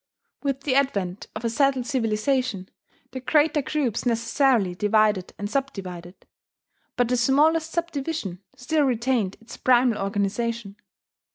With the advent of a settled civilization, the greater groups necessarily divided and subdivided; but the smallest subdivision still retained its primal organization.